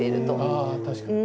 あ確かに。